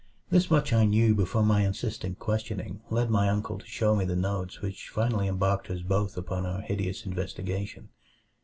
This much I knew before my insistent questioning led my uncle to show me the notes which finally embarked us both on our hideous investigation.